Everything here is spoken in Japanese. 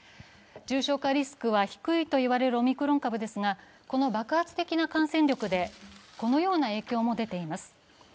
重症化リスクは低いと言われるオミクロン株ですが、この爆発的な感染力で、このような影響も出ています。